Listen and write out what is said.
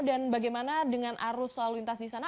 dan bagaimana dengan arus lalu lintas di sana